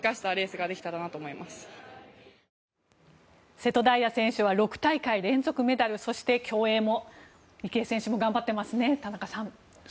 瀬戸大也選手は６大会連続メダルそして競泳も池江選手も頑張っていますね、田中さん。